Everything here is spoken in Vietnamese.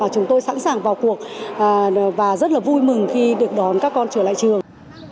chúng tôi sẵn sàng vào cuộc và rất là vui mừng khi được đón các con trở lại trường